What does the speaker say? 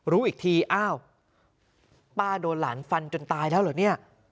รู้อีกทีอ้าวป้าโดนหลานฟันจนตายแล้วเหรอเนี่ย